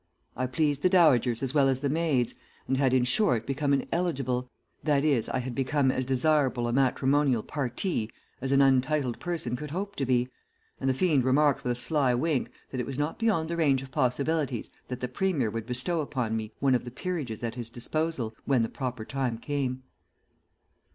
I pleased the dowagers as well as the maids, and had, in short, become an eligible that is I had become as desirable a matrimonial parti as an untitled person could hope to be, and the fiend remarked with a sly wink that it was not beyond the range of possibilities that the Premier would bestow upon me one of the peerages at his disposal when the proper time came.